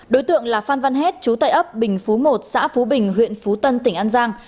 đối tượng là phan văn hết chú tại ấp bình phú một xã phú bình huyện phú tân tỉnh an giang